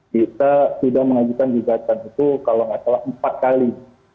kita sudah mengajukan juga kan itu kalau tidak salah empat kali